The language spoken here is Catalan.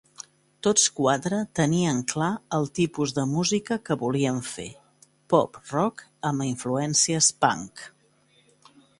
Tots quatre tenien clar el tipus de música que volien fer: pop-rock amb influències punk.